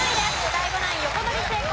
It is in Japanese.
ＤＡＩＧＯナイン横取り成功